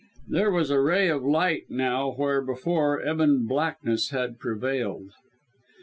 There was a ray of light now where, before, ebon blackness had prevailed.